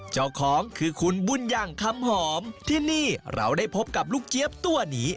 เจ้าของคือคุณบุญยังคำหอมที่นี่เราได้พบกับลูกเจี๊ยบตัวนี้